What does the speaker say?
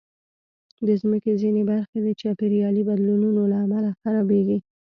د مځکې ځینې برخې د چاپېریالي بدلونونو له امله خرابېږي.